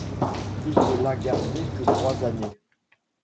Il ne l'a gardé que trois années.